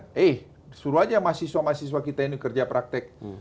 dia lihat eh suruh aja mahasiswa mahasiswa kita ini kerja praktis